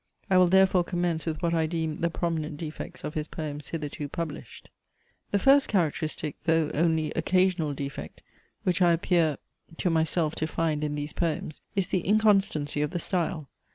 I will therefore commence with what I deem the prominent defects of his poems hitherto published. The first characteristic, though only occasional defect, which I appear to myself to find in these poems is the inconstancy of the style.